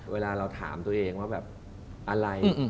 เวลาเราถามตัวเองว่าแบบอะไร